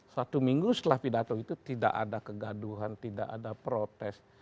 satu minggu setelah pidato itu tidak ada kegaduhan tidak ada protes